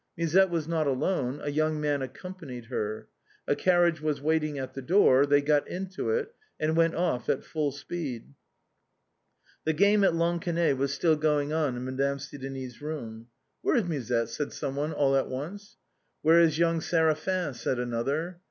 Musette was not alone, a young man accompanied her. A carriage was waiting at the door; they got into it and went off at full speed. The game at lansquenet was still going on in Madame Sidonie's room. " Wliere is Musette ?" said some one all at once. " Where is young Séraphin ?" said another.